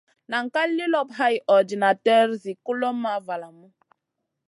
Nan ka li lop hay ordinater zi kulomʼma valamu.